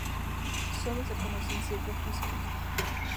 Sólo se conocen siete fusiles.